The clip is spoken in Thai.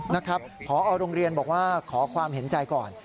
นะครับพอโรงเรียนบอกว่าขอความเห็นใจก่อน